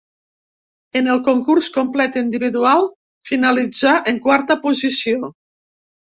En el concurs complet individual finalitzà en quarta posició.